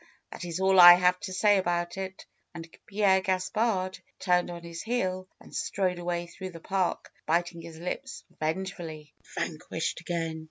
That is all I have to say about it," and Pierre Gaspard turned on his heel and strode away through the park, biting his lips venge fully. "Vanquished again!"